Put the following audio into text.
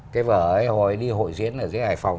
cái vở ấy hồi đi hội diễn ở dưới hải phòng